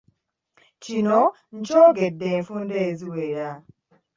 Kino nkyogedde enfunda eziwera